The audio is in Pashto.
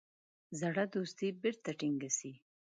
زړه دوستي بیرته ټینګه سي.